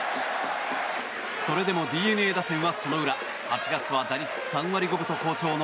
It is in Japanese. それでもＤｅＮＡ打線はその裏、８月は打率３割５分と好調の